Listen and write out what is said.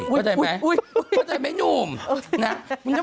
เข้าใจไหมเข้าใจไหมหนุ่มนะ